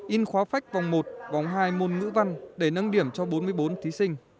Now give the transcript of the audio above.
in khóa phách vòng một vòng hai môn ngữ văn để nâng điểm cho bốn mươi bốn thí sinh